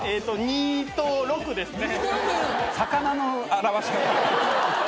２と６ですね。